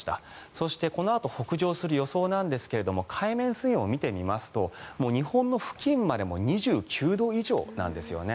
そして、このあと北上する予想なんですが海面水温を見てみますと日本の付近までも２９度以上なんですよね。